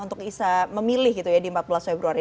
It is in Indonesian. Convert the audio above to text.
untuk bisa memilih di empat belas februari